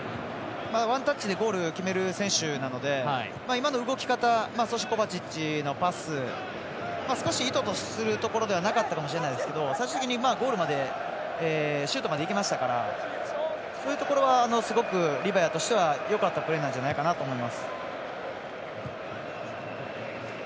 ワンタッチでゴールを決める選手なので今の動き方そしてコバチッチのパス少し意図とするところではなかったかもしれないですけど最終的にゴールまでシュートまでいきましたからそういうところはすごくリバヤとしてはよかったプレーなんじゃないかと思います。